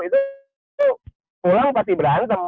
itu pulang pasti berantem